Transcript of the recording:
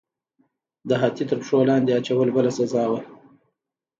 د هاتي تر پښو لاندې اچول بله سزا وه.